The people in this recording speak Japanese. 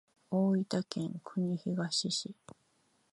大分県国東市